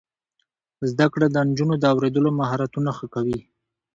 زده کړه د نجونو د اوریدلو مهارتونه ښه کوي.